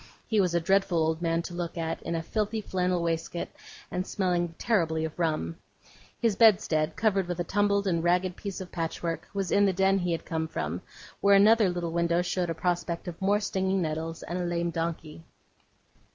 He was a dreadful old man to look at, in a filthy flannel waistcoat, and smelling terribly of rum. His bedstead, covered with a tumbled and ragged piece of patchwork, was in the den he had come from, where another little window showed a prospect of more stinging nettles, and a lame donkey.